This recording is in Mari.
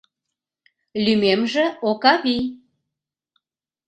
— Лӱмемже Окавий.